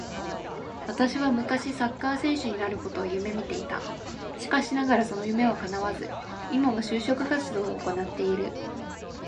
私は昔サッカー選手になることを夢見ていた。しかしながらその夢は叶わず、今は就職活動を行ってる。